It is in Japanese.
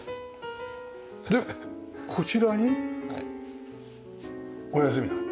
でこちらにお休みになる？